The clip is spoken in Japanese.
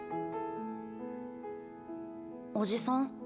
おじさん？